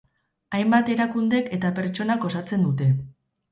Hainbat erakundek eta pertsonak osatzen dute.